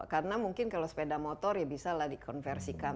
karena mungkin kalau sepeda motor ya bisa lah dikonversikan